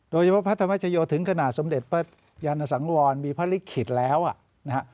โดยเฉพาะพระธรรมชโยถึงขนาดสมเด็จพระยันสังวรมีพระลิขิตแล้วนะฮะ